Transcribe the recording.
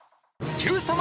『Ｑさま！！』